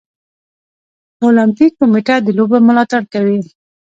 د المپیک کمیټه د لوبو ملاتړ کوي.